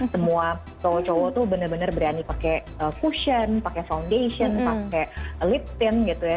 semua cowok cowok tuh bener bener berani pakai fusion pakai foundation pakai liptin gitu ya